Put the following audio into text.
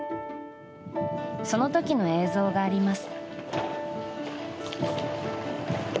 その時の映像があります。